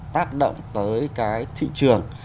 tác động tới cái thị trường